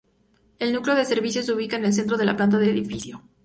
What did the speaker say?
El núcleo de servicios se ubica en el centro de la planta del edificio.